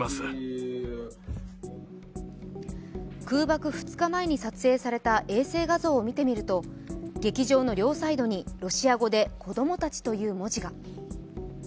空爆２日前に撮影された衛星画像を見てみると劇場の両サイドにロシア語で「子どもたち」という文字が。